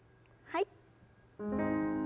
はい。